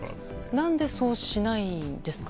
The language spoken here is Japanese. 何でそうしないんですかね？